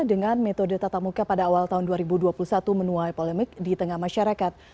dengan metode tatap muka pada awal tahun dua ribu dua puluh satu menuai polemik di tengah masyarakat